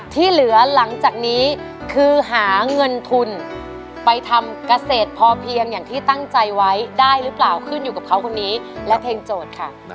ที่เหลือหลังจากนี้คือหาเงินทุนไปทำเกษตรพอเพียงอย่างที่ตั้งใจไว้ได้หรือเปล่าขึ้นอยู่กับเขาคนนี้และเพลงโจทย์ค่ะ